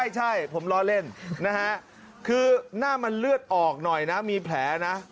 ใช่ผมล้อเล่นนะฮะคือหน้ามันเลือดออกหน่อยนะมีแผลนะ